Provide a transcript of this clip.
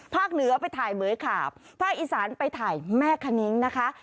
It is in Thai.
เหนือไปถ่ายเหมือยขาบภาคอีสานไปถ่ายแม่คณิ้งนะคะ